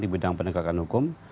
di bidang penegakan hukum